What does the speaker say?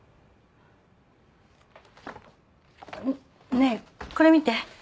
ねえこれ見て。